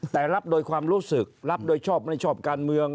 แต่รับโดยความรู้สึกรับโดยชอบไม่ชอบการเมือง